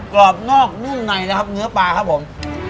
กรอบนอกที่ในแล้วครับเนื้อปลาครับผม